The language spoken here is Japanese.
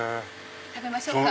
食べましょうか。